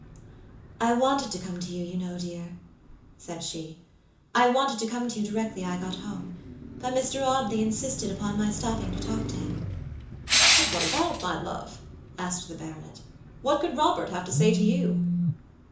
"I wanted to come to you, you know, dear," said she"I wanted to come to you directly I got home, but Mr. Audley insisted upon my stopping to talk to him." "But what about, my love?" asked the baronet. "What could Robert have to say to you?"